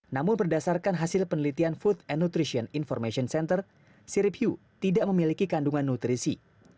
namun berdasarkan hasil penelitian food and nutrition information center sirip hiu tidak memiliki kandungan nutrisi